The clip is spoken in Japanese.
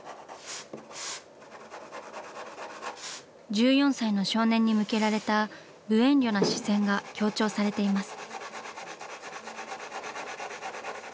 １４歳の少年に向けられた無遠慮な視線が強調されています。